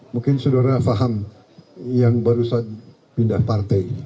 mungkin saudara faham yang baru saja pindah partai